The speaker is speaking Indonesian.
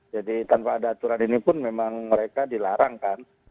jadi tanpa ada aturan ini pun memang mereka dilarangkan